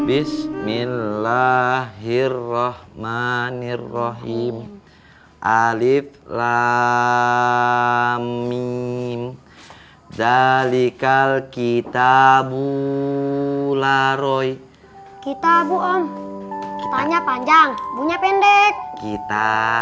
bismillahirrohmanirrohim alif lamin zalikal kitabu laroi kitabu om tanya panjang punya pendek kita